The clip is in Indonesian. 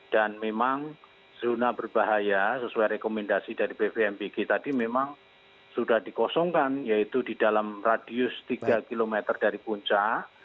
memang zona berbahaya sesuai rekomendasi dari bvmbg tadi memang sudah dikosongkan yaitu di dalam radius tiga km dari puncak